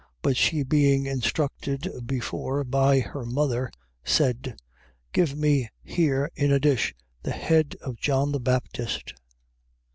14:8. But she being instructed before by her mother, said: Give me here in a dish the head of John the Baptist.